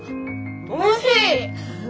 おいしい！